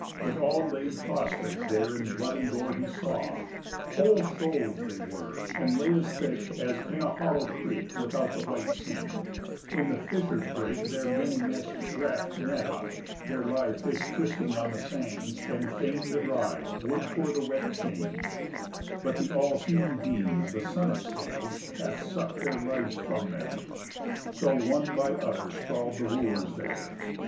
But all laid prostrate there In blood and gore he saw. Whole shoals they were, And lay as thick as in a hollow creek Without the white sea, when the fishers break Their many mesh'd draught net up, there lie Fish frisking on the sands, and fain the dry Would for the wet change, but th' all seeing beam The sun exhales hath suck'd their lives from them; So one by other sprawl'd the Wooers there.